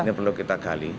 ini perlu kita gali